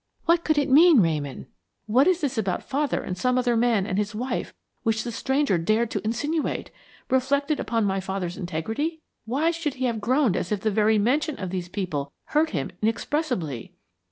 What could it mean, Ramon? What is this about father and some other man and his wife which the stranger dared to insinuate! reflected upon father's integrity? Why should he have groaned as if the very mention of these people hurt him inexpressibly?"